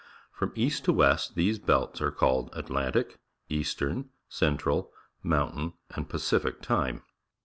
From east to west, these belts are called Atlgjilic, 'Eastern, Central, Mountain, and Pacific T ime.